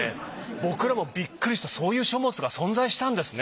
僕らもビックリしたそういう書物が存在したんですね。